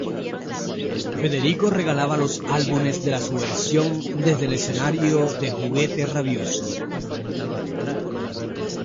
Federico regalaba los álbumes de La Subversión desde los escenarios del Juguete Rabioso.